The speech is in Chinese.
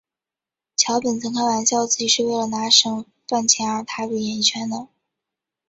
桥本曾开玩笑自己是为了拿省饭钱而踏入演艺圈的。